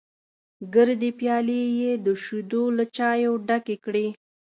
ګردې پيالې یې د شیدو له چایو ډکې کړې.